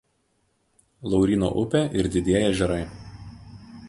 Lauryno upė ir Didieji ežerai.